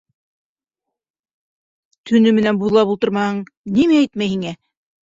Төнө менән буҙлап ултырмаһаң, нимә етмәй һиңә?